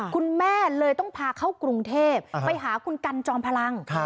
คุณแม่เลยต้องพาเข้ากรุงเทพไปหาคุณกันจอมพลัง